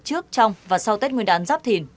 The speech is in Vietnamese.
trước trong và sau tết nguyên đán giáp thìn